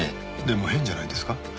でも変じゃないですか？